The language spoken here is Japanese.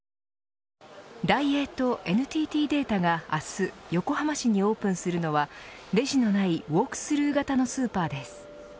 ダイエーとＮＴＴデータが明日横浜市にオープンするのはレジのないウォークスルー型のスーパーです。